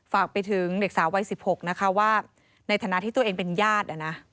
ฝากไปถึงเด็กสาววัย๑๖นะคะว่าในฐานะที่ตัวเองเป็นญาติ